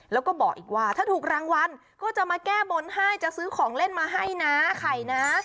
แล้วก็บอกอีกว่าถ้าถูกรางวัลก็จะมาแก้บนให้จะซื้อของเล่นมาให้นะไข่นะ